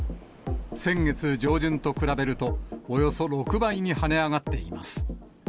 先月上旬と比べると、およそ６倍に跳ね上がっています。